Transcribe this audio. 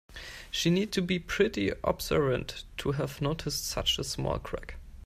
She needed to be pretty observant to have noticed such a small crack.